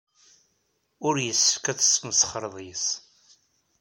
Ur yessefk ad tesmesxreḍ yes-s.